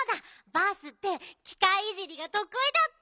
バースってきかいいじりがとくいだった。